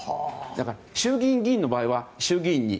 だから衆議院議員の場合は衆議院に。